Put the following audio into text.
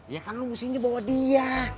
ya kan lo mesti bawa dia